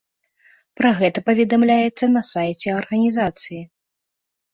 Пра гэта паведамляецца на сайце арганізацыі.